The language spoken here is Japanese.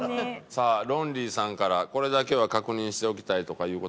さあロンリーさんからこれだけは確認しておきたいとかいう事ありますか？